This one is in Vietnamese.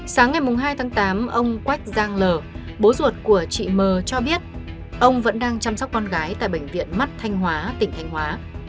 sáng ngày hai tháng tám ông quách giang l cho biết ông vẫn đang chăm sóc con gái tại bệnh viện mắt thanh hóa tỉnh thanh hóa